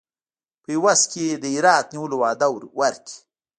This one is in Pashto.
په عوض کې د هرات نیولو وعده ورکړي.